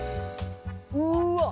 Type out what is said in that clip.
うわっ！